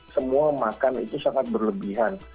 semua makan itu sangat berlebihan